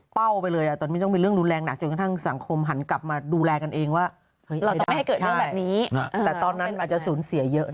ก็เลยไม่รู้ว่าสุดท้ายมันควรจะจบที่แค่ไหนถึงจะพอดี